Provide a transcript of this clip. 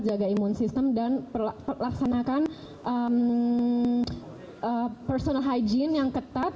jaga imun sistem dan laksanakan personal hygiene yang ketat